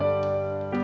gak ada apa apa